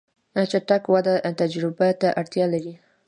چټک وده تجربه ته اړتیا لري.